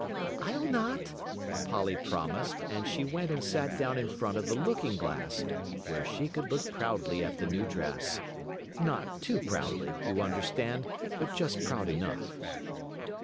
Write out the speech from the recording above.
"I'll not," Polly promised, and she went and sat down in front of the looking glass, where she could look proudly at the new dress not too proudly, you understand, but just proud enough.